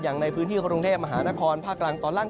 อย่างในพื้นที่กรุงเทพมหานครภาคกลางตอนล่าง